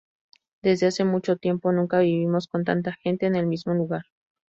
Desde hace mucho tiempo, nunca vivimos con tanta gente en el mismo lugar.